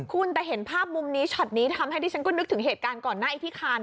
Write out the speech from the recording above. คุณแต่เห็นภาพมุมนี้ช็อตนี้ทำให้ดิฉันก็นึกถึงเหตุการณ์ก่อนหน้าไอ้ที่คาน